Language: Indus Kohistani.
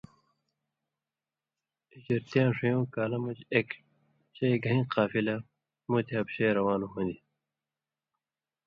ہِجرتیۡ یاں ݜوۡیوں کالہ مژ اېک چئ گَھیں قافلہ مُتیۡ حبشے روان ہون٘دیۡ؛